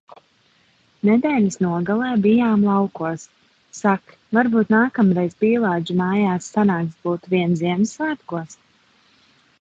Nedēļas nogalē bijām laukos. Sak, varbūt nākamreiz Pīlādžu mājās sanāks būt vien Ziemassvētkos?